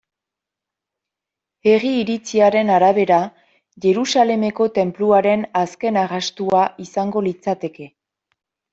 Herri iritziaren arabera, Jerusalemeko Tenpluaren azken arrastoa izango litzateke.